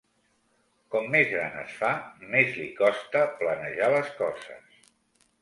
Com més gran es fa, més li costa planejar les coses.